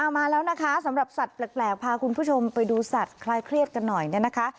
มาแล้วนะคะสำหรับสัตว์แปลกพาคุณผู้ชมไปดูสัตว์คลายเครียดกันหน่อยเนี่ยนะคะ